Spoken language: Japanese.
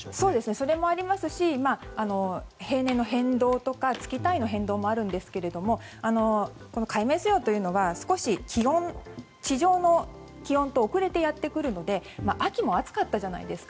それもありますし平年の変動とか月単位の変動もありますが海面水温というのは地上の気温と遅れてやってくるので秋も暑かったじゃないですか。